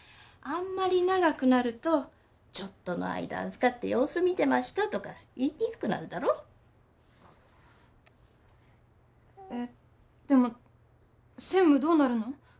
あんまり長くなるとちょっとの間預かって様子見てましたとか言いにくくなるだろえっでも専務どうなるの？